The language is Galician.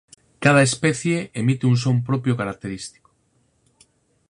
Cada especie emite un son propio característico.